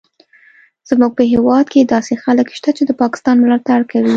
زموږ په هیواد کې داسې خلک شته چې د پاکستان ملاتړ کوي